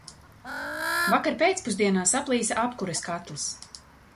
Vakar pēcpusdienā saplīsa apkures katls.